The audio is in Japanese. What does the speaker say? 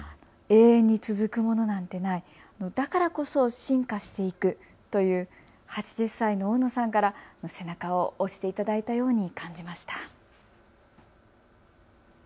永遠に続くものなんてない、だからこそ進化していくという８０歳の大野さんから背中を押していただいたように感じました。